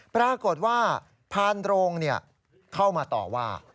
ปรากฏว่าพานโรงเข้ามาต่อว่า